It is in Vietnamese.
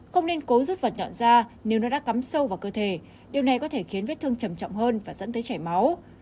không nên cố rút vật nhọn da nếu nó đã cắm sâu vào cơ thể điều này có thể khiến vết thương trầm trọng hơn và dẫn tới chảy máu